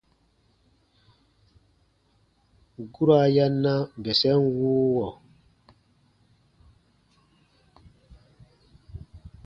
Guraa ya na bɛsɛn wuuwɔ.